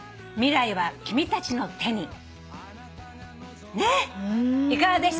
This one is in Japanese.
「未来は君たちの手に」